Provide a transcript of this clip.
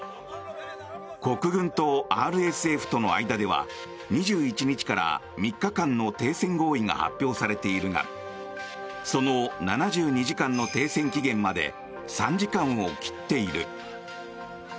国軍とＲＳＦとの間では２１日から３日間の停戦合意が発表されているがその７２時間の停戦期限まで３時間を切っている。